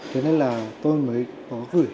thế nên là tôi mới có gửi